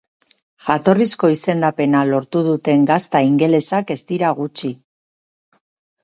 Jatorrizko izendapena lortu duten gazta ingelesak ez dira gutxi.